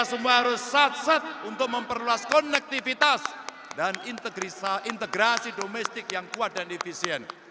kita semua harus sat sat untuk memperluas konektivitas dan integrasi domestik yang kuat dan efisien